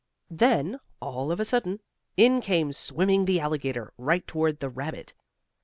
Then, all of a sudden, in came swimming the alligator, right toward the rabbit.